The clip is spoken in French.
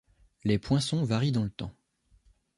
Les poinçons varient dans le temps.